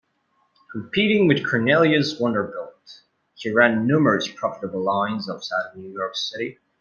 Competing with Cornelius Vanderbilt, he ran numerous profitable lines outside of New York City.